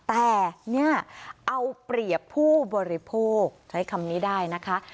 แต่เนี่ยเอาเปรียบผู้บริโภคใช้คำนี้ได้นะคะ